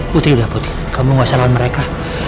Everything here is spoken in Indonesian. putri udah putri kamu gak usah lawan mereka